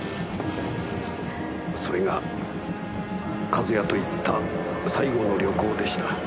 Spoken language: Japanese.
それが和也と行った最後の旅行でした。